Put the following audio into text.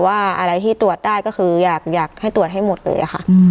ว่าอะไรที่ตรวจได้ก็คืออยากให้ตรวจให้หมดเลยค่ะ